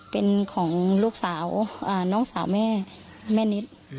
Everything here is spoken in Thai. เป็นของลูกสาวน้องสาวแม่แม่นิด